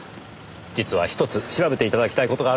実はひとつ調べて頂きたい事があるのですが。